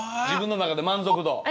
自分の中で満足度。